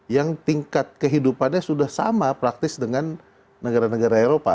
yang tingkat kehidupannya sudah sama praktis dengan negara negara eropa